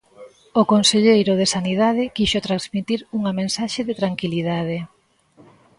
O conselleiro de Sanidade quixo transmitir unha mensaxe de tranquilidade.